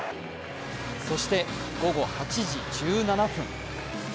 そして午後８時１７分。